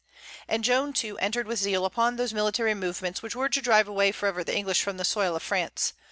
And Joan, too, entered with zeal upon those military movements which were to drive away forever the English from the soil of France.